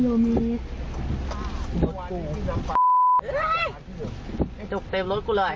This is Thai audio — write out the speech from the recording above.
ดกเต็มรถกูเลย